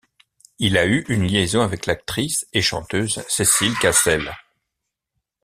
Il a eu une liaison avec l'actrice et chanteuse Cécile Cassel.